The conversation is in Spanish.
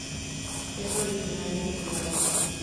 Es original de Kuwait.